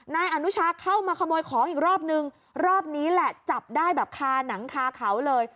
นายอนุชาเข้ามาขโมยของอีกรอบนึงรอบนี้แหละจับได้แบบคาหนังคาเขาเลย